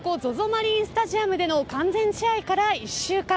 マリンスタジアムでの完全試合から１週間。